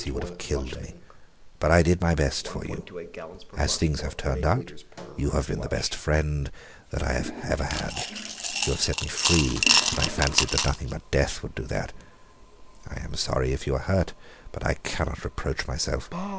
He would have killed me. But I did my best for you. As things have turned out, you have been the best friend that I have ever had. You have set me free, and I fancied that nothing but death would do that. I am sorry if you are hurt, but I cannot reproach myself.